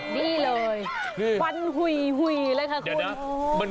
นี้เลยควันหุ่ยหุ่ยเลยค่ะคุณ